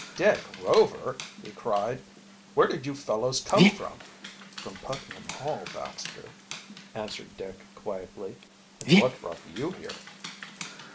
"Dick Rover!" he cried. "Where did you fellows come from?" "From Putnam Hall, Baxter," answered Dick quietly. "And what brought you here?"